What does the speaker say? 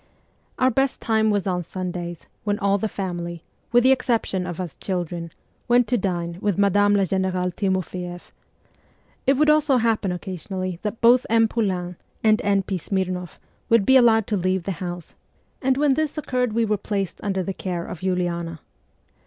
Our best time was on Sundays, when all the family, with the exception of us children, went to dine with Madame la Generale Timofeeff. It would also happen occasionally that both M. Poulain and N. P. Smirnoff would be allowed to leave the house, and when this 22 MEMOIRS OF A REVOLUTIONIST occurred we were placed under the care of Uliana.